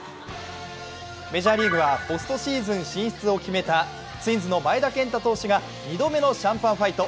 メジャーリーグはポストシーズン進出を決めたツインズの前田健太投手が２度目のシャンパンファイト。